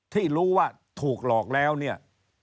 ที่รู้ว่าถูกหลอกแล้วเนี่ย